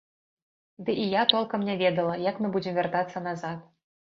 Ды і я толкам не ведала, як мы будзем вяртацца назад.